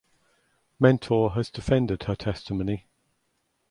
Mentor has defended her testimony.